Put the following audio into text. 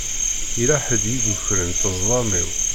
Yella ḥedd i yukren ṭṭezḍam-iw.